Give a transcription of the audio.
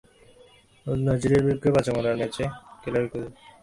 আজ নাইজেরিয়ার বিপক্ষে বাঁচামরার ম্যাচে দলে খেলোয়াড় কোচ দ্বন্দ্বের গুঞ্জনও ছড়িয়েছে বাতাসে।